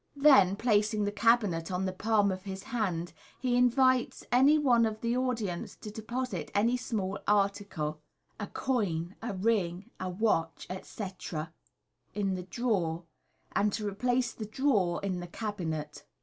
Then, placing the cabinet on the palm of MODERN MAGIC. 19) his hand, he invites any one of the audience to deposit any small article, a coin, a ring, a watch, etc., in the drawer, and to replace the drawer in the cabinet.